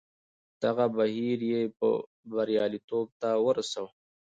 دغه بهیر یې بریالیتوب ته ورساوه.